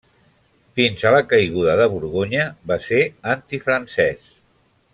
Fins a la caiguda de Borgonya, va ser antifrancès.